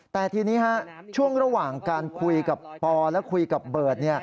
แต่ทีนี้ช่วงระหว่างการคุยกับปอและคุยกับเบิร์ต